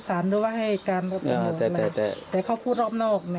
สองสามีภรรยาคู่นี้มีอาชีพ